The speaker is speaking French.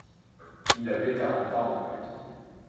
Il avait quarante ans au plus.